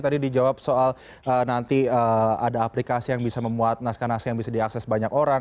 tadi dijawab soal nanti ada aplikasi yang bisa memuat naskah naskah yang bisa diakses banyak orang